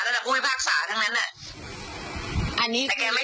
ก็ไม่รู้ว่าฟ้าจะระแวงพอพานหรือเปล่า